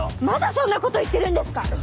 まだそんなこと言ってるんですか！